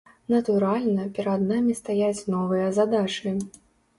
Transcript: Натуральна, перад намі стаяць новыя задачы.